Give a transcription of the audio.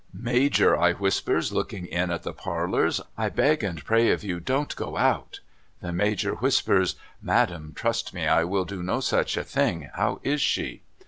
' Major,' I whispers, looking in at the parlours, ' I beg and pray of you don't go out.' The Major whispers, ' Madam, trust me I will do no such a thing. How is she